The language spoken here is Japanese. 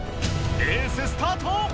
レーススタート。